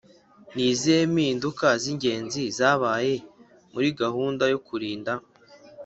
Ni izihe mpinduka z ingenzi zabaye muri gahunda yo Kurinda